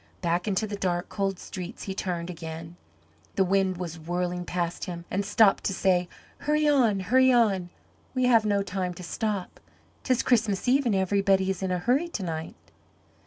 Back into the dark, cold streets he turned again. The wind was whirling past him and seemed to say, "Hurry on, hurry on, we have no time to stop. 'Tis Christmas Eve and everybody is in a hurry to night."